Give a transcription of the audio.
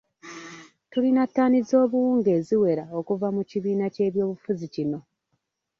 Tulina ttaani z'obuwunga eziwera okuva mu kibiina ky'ebyobufuzi kino.